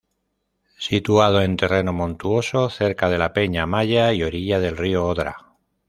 Situado en terreno montuoso, cerca de la Peña Amaya, y orilla del río Odra.